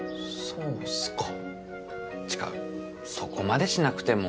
そこまでしなくても。